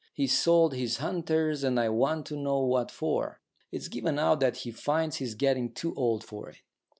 He's sold his hunters, and I want to know what for. It's given out that he finds he's getting too old for it.